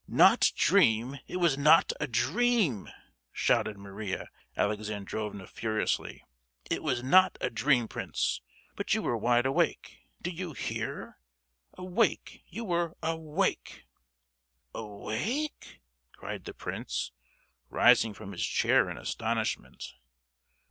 "Not dream! it was not a dream!" shouted Maria Alexandrovna furiously. "It was not a dream, Prince, but you were wide awake. Do you hear? Awake—you were awake!" "Awake?" cried the prince, rising from his chair in astonishment.